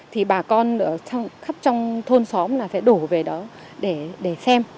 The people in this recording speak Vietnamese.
thì bà con khắp trong thôn xóm là sẽ đổ về đó để xem